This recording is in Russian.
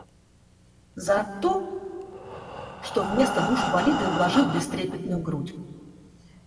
За то, что вместо душ болиды вложил в бестрепетную грудь.